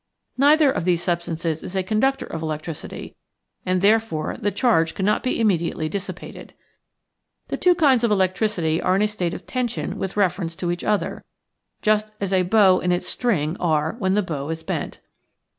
Neither of these substances is a conductor of elec tricity, and therefore the charge cannot be immediately dissipated. The two kinds of electricity are in a state of tension with ref erence to each other, just as a bow and its string are when the bow is bent.